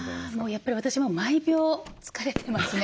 やっぱり私も毎秒疲れてますね。